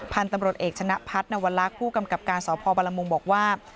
พันธุ์ตำรวจเอกชนะพัฒนวลักษณ์ผู้กำกับการสพบรมงบอกว่า